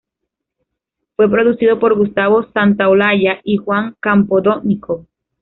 Fue producido por Gustavo Santaolalla y Juan Campodónico.